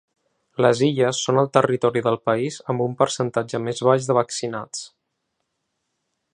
Les Illes són el territori del país amb un percentatge més baix de vaccinats.